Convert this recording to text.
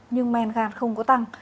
nhưng men gan không có tăng